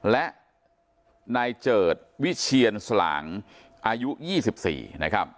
และนายเจิดวิเชียนสลางอายุ๒๔นะครับ